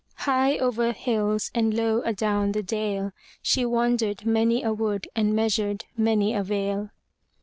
High over hills and low adown the dale, She wandered many a wood and measured many a vale.